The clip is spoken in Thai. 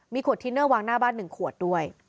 ขวดทินเนอร์วางหน้าบ้าน๑ขวดด้วย